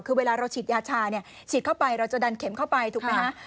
คือเวลาเราฉีดยาชาเนี่ยฉีดเข้าไปเราจะดันเข็มเข้าไปถูกไหมฮะ